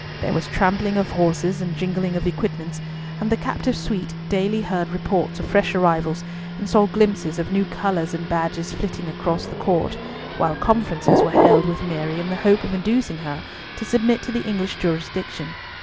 There was trampling of horses and jingling of equipments, and the captive suite daily heard reports of fresh arrivals, and saw glimpses of new colours and badges flitting across the court, while conferences were held with Mary in the hope of inducing her to submit to the English jurisdiction.